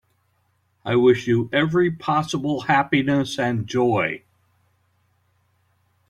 I wish you every possible happiness and joy.